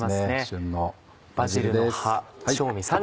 旬のバジルです。